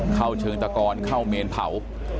เข้าเชิงตะกอนเข้าเมนเผา